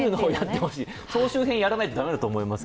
総集編をやらないと駄目だと思います。